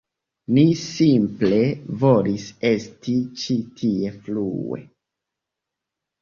Ni simple volis esti ĉi tie frue